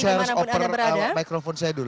saya harus oper mikrofon saya dulu